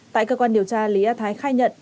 tại cơ quan điều tra lý a thái khai nhận